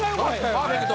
パーフェクト。